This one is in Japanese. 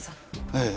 ええ。